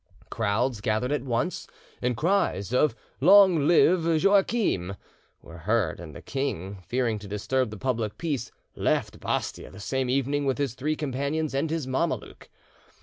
Crowds gathered at once, and cries of "Long live Joachim!" were heard, and the king, fearing to disturb the public peace, left Bastia the same evening with his three companions and his Mameluke.